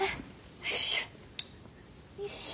よいしょ。